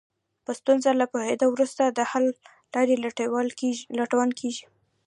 په ستونزه له پوهېدو وروسته د حل لارې لټون کېږي.